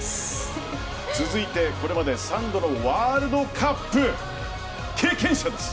続いて、これまで３度のワールドカップ経験者です！